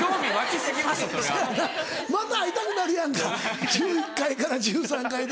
また会いたくなるやんか１１階から１３階で。